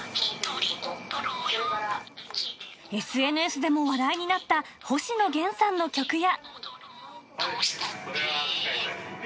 ＳＮＳでも話題になった星野源さんの曲や。